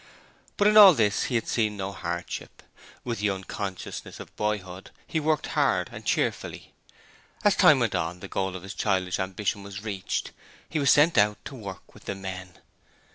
But in all this he had seen no hardship. With the unconsciousness of boyhood, he worked hard and cheerfully. As time went on, the goal of his childish ambition was reached he was sent out to work with the men!